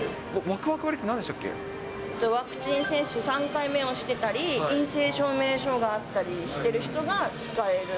ワクワク割ってなんでしたっワクチン接種３回目をしてたり、陰性証明書があったりしてる人が使える。